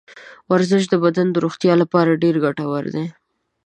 ورزش د بدن د روغتیا لپاره ډېر ګټور دی.